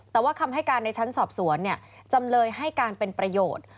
แต่ว่าคำให้การในชั้นสอบสวนจำเลยให้การเป็นประโยชน์